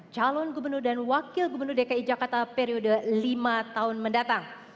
calon gubernur dan wakil gubernur dki jakarta periode lima tahun mendatang